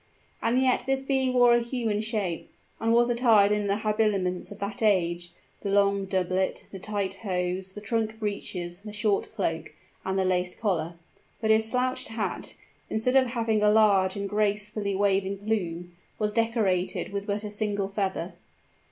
And yet this being wore a human shape, and was attired in the habiliments of that age; the long doublet, the tight hose, the trunk breeches, the short cloak, and the laced collar: but his slouched hat, instead of having a large and gracefully waving plume, was decorated with but a single feather.